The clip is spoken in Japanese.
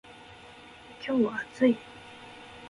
今日は暑い